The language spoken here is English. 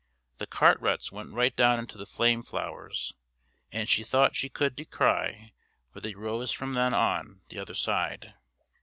The cart ruts went right down into the flame flowers, and she thought she could descry where they rose from them on the other side.